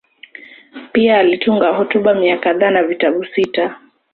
Pia alitunga hotuba mia kadhaa na vitabu sita.